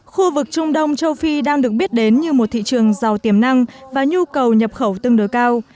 khu vực trung đông châu phi đang được biết đến như một thị trường giàu tiềm năng và nhu cầu nhập khẩu tương đối cao